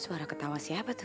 suara ketawa siapa tuh